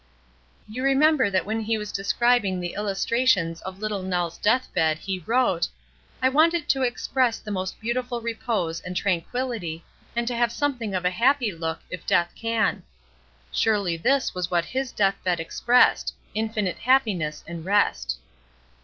You remember that when he was describing the illustrations of Little Nell's death bed he wrote: "I want it to express the most beautiful repose and tranquillity, and to have something of a happy look, if death can." Surely this was what his death bed expressed—infinite happiness and rest.